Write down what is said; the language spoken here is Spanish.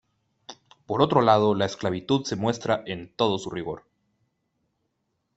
Por otro lado, la esclavitud se muestra en todo su rigor.